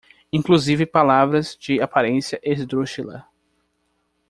inclusive palavras de aparência esdrúxula